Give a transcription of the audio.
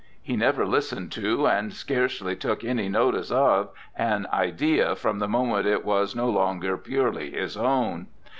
He never listened to, and scarcely took any notice of an idea from the moment it was no longer purely his own.